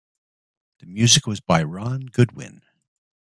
The music was by Ron Goodwin.